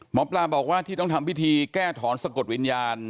หมอปลาบอกว่าที่ต้องทำพิธีแก้ถอนสะกดวิญญาณ